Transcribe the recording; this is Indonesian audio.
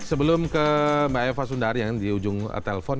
sebelum ke mbak eva sundari yang di ujung telepon